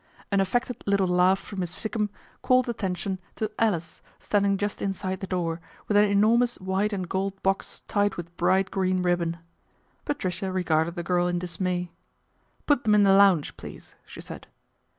An affected little laugh from Miss Sikkum called attention to Alice, standing just inside the door, with an enormous white and gold box tied with bright green ribbon. Patricia regarded the girl in dismay. "Put them in the lounge, please," she said.